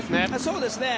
そうですね。